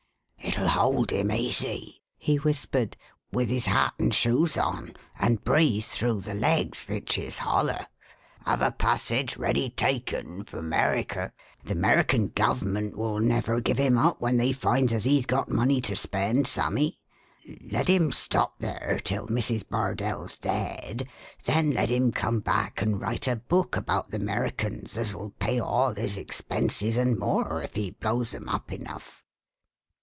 "It'll hold him easy," he whispered, "with his hat and shoes on, and breathe through the legs, vich is holler. Have a passage ready taken for 'Mericker. The 'Merikin gov'ment will never give him up when they finds as he's got money to spend, Sammy. Let him stop there till Mrs. Bardell's dead, then let him come back and write a book about the 'Merikins as'll pay all his expenses and more if he blows 'em up enough."